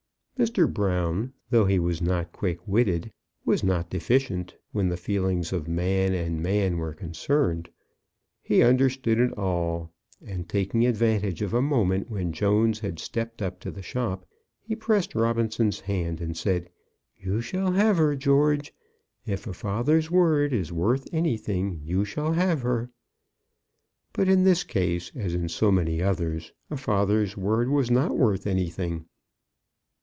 Mr. Brown, though he was not quick witted, was not deficient when the feelings of man and man were concerned. He understood it all, and taking advantage of a moment when Jones had stepped up the shop, he pressed Robinson's hand and said, "You shall have her, George. If a father's word is worth anything, you shall have her." But in this case, as in so many others, a father's word was not worth anything.